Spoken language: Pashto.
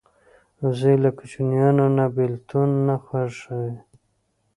وزې له کوچنیانو نه بېلتون نه خوښوي